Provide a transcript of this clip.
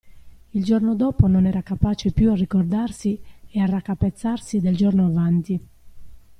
Il giorno dopo non era capace più a ricordarsi e a raccapezzarsi del giorno avanti.